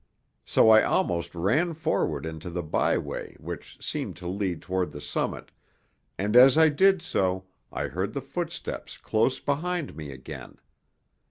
So I almost ran forward into the byway which seemed to lead toward the summit, and as I did so I heard the footsteps close behind me again.